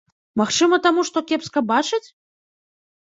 Магчыма таму, што кепска бачыць?